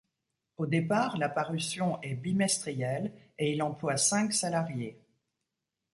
Au départ, la parution est bimestrielle, et il emploie cinq salariés.